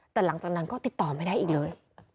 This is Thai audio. แต่หลังจากนั้นก็ติดต่อไม่ได้อีกเลย